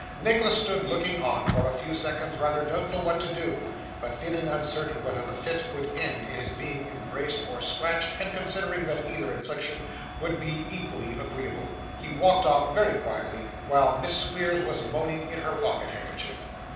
Nicholas stood looking on for a few seconds, rather doubtful what to do, but feeling uncertain whether the fit would end in his being embraced, or scratched, and considering that either infliction would be equally agreeable, he walked off very quietly while Miss Squeers was moaning in her pocket handkerchief.